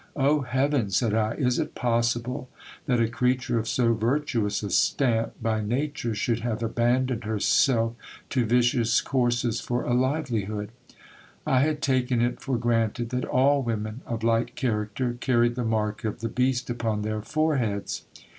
Oh heaven ! sa.d I, is it possible that a creature of so virtuous a stamp by nature should have abandoned herself to vicious courses for a livelihood ? I had taken it for granted, that all women of light character carried the mark of the beast upon th dr foreheads.